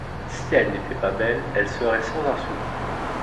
Si elle n’était pas belle, elle serait sans un sou.